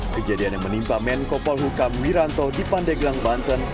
kejadian yang menimpa men kopal hukam wiranto di pandeglang banten